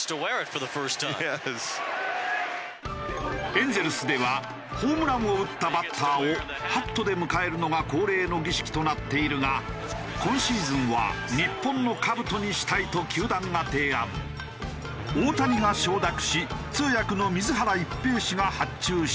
エンゼルスではホームランを打ったバッターをハットで迎えるのが恒例の儀式となっているが今シーズンは大谷が承諾し通訳の水原一平氏が発注したのだという。